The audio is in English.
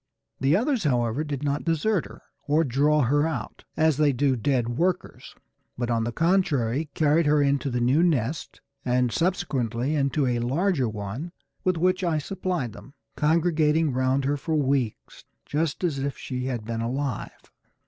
The others, however, did not desert her, or draw her out as they do dead workers, but on the contrary carried her into the new nest, and subsequently into a larger one with which I supplied them, congregating round her for weeks just as if she had been alive.